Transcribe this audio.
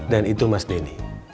dan itu mas denny